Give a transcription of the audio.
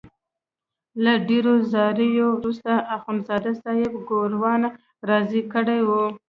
له ډېرو زاریو وروسته اخندزاده صاحب ګوروان راضي کړی وو.